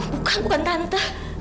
bukan bukan tante